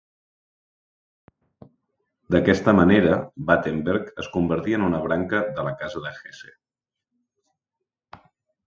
D'aquesta manera, Battenberg es convertí en una branca de la casa de Hesse.